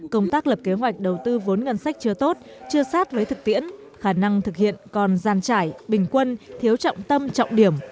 công tác lập kế hoạch đầu tư vốn ngân sách chưa tốt chưa sát với thực tiễn khả năng thực hiện còn gian trải bình quân thiếu trọng tâm trọng điểm